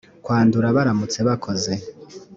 kwandura baramutse bakoze